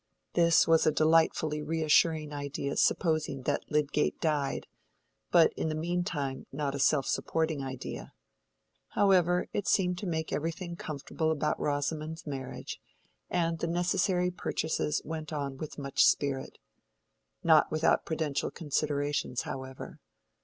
This was a delightfully reassuring idea supposing that Lydgate died, but in the mean time not a self supporting idea. However, it seemed to make everything comfortable about Rosamond's marriage; and the necessary purchases went on with much spirit. Not without prudential considerations, however.